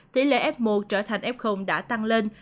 tỷ lệ f một trở thành f đã tăng lên